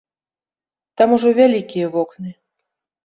Там ужо вялікія вокны.